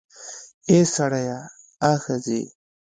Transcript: اې سړیه, آ ښځې